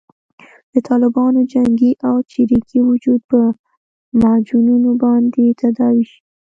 د طالبانو جنګي او چریکي وجود په معجونو باندې تداوي شي.